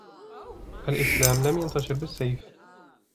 الإسلام لم ينتشر بالسيف.